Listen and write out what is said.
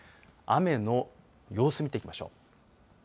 雨の様子を見ていきましょう。